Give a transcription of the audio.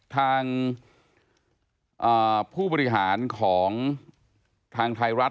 ทางผู้บริหารของทางไทยรัฐ